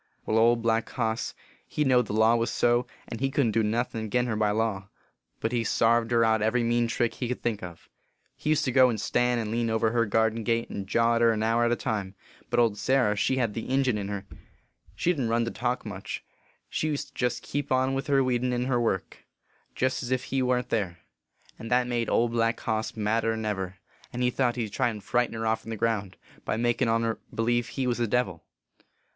Wai, Old Black Hoss he know d the law was so, and he couldn t do nothin agin her by law ; but he sarved her out every mean trick he could think of. He used to go and stan and lean over her garden gate and jaw at her an hour at a time ; but old Sarah she had the Injun in her ; she didn t run to talk 198 OLDTOWN FIRESIDE STORIES. much : she used to jest keep on with her weedin and her work, jest s if he warn t there, and that made Old Black IIoss madder n ever ; and he thought he d try and frighten her ofFn the ground, by makin on her believe he was the Devil.